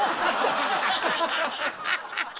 ハハハハ！